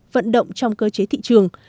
vận động trong cơ chế thị trường